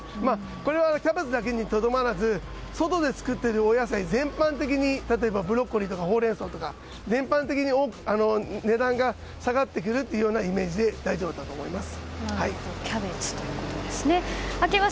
これはキャベツだけにとどまらず外で作っているお野菜全般的に例えばブロッコリーとかホウレンソウとか、全般的に値段が下がってくるというイメージで大丈夫だと思います。